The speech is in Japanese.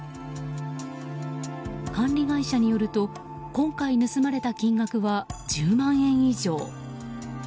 管理会社によると今回盗まれた金額は１０万円以上。